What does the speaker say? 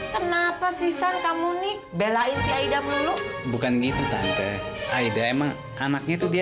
kenapa sih san kamu nih belain si aida melulu bukan gitu tante aida emang anaknya itu dia